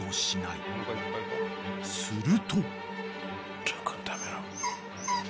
［すると］